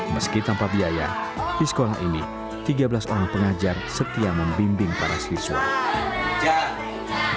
meski tanpa biaya di sekolah ini tiga belas orang pengajar setia membimbing para siswa